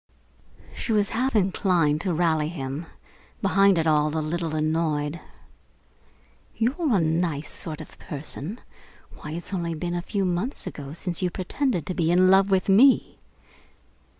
She was half inclined to rally him, behind it all a little annoyed. "You're a nice sort of person! Why, it's only a few months ago since you pretended to be in love with me!"